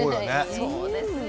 そうですよ。